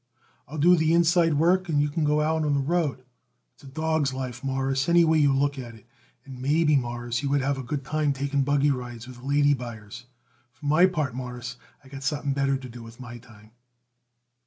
I'll do the inside work and you can go out on the road. It's a dawg's life, Mawruss, any way you look at it; and maybe, Mawruss, you would have a good time taking buggy rides with lady buyers. For my part, Mawruss, I got something better to do with my time."